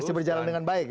pasti berjalan dengan baik